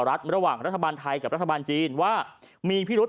รัฐบาลไทยกับรัฐบาลจีนว่ามีพิรุฑ